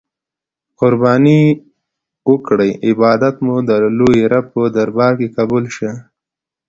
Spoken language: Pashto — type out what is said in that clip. قربانې او کړی عبادات مو د لوی رب په دربار کی قبول شه.